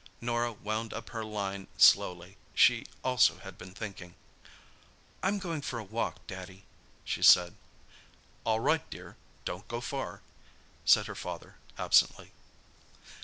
Norah wound up her line slowly. She also had been thinking. "I'm going for a walk, Daddy," she said. "All right, dear; don't go far," said her father absently.